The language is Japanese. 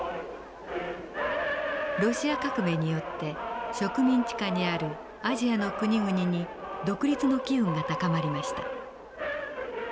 ロシア革命によって植民地下にあるアジアの国々に独立の気運が高まりました。